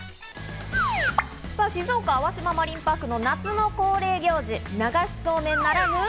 静岡あわしまマリンパークの夏の恒例行事、流しそうめんならぬ、